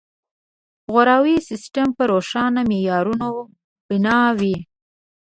د غوراوي سیستم په روښانو معیارونو بنا وي.